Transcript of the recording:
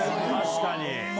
確かに。